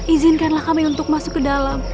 izinkanlah kami untuk masuk ke dalam